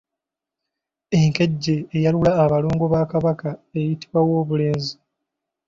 Enkejje eyalula abalongo ba Kabaka eyitibwa Woobulenzi.